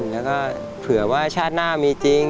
แล้วก็เผื่อว่าชาติหน้ามีจริง